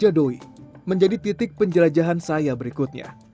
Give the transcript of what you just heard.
pulau kojadoi menjadi titik penjelajahan saya berikutnya